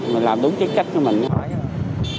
mình làm đúng chức trách của mình